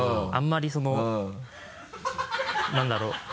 あんまりその何だろう？